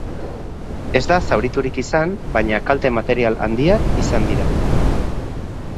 Ez da zauriturik izan, baina kalte material handiak izan dira.